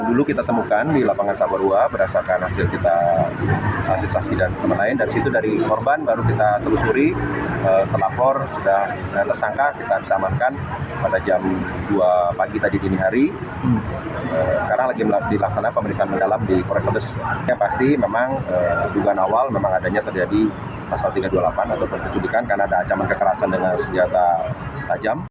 memang tugas awal memang adanya terjadi pasal tiga ratus dua puluh delapan atau penculikan karena ada acaman kekerasan dengan senjata tajam